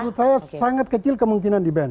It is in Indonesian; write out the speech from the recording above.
menurut saya sangat kecil kemungkinan di ban